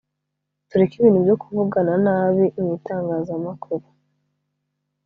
tureke ibintu byo kuvugana nabi mu itangazamakuru